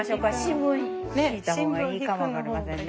新聞敷いた方がいいかも分かりませんね。